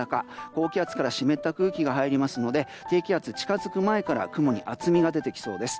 高気圧から湿った空気が入りますので低気圧が近づく前から雲に厚みが出てきそうです。